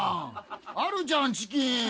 あるじゃんチキン。